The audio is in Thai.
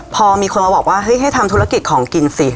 พอมีคนมาบอกว่าเฮ้ยให้ทำธุรกิจของกินสิ